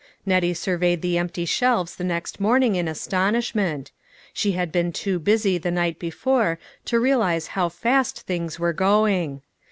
Nettie surveyed the empty shelves the next morning in astonishment. She had been too busy the night before to realize how fast things were going.